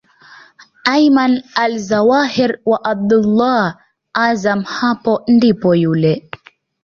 Ayman Alzawahiri wa Abdullah Azzam hapo ndipo yule